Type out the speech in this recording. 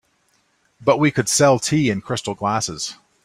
But we could sell tea in crystal glasses.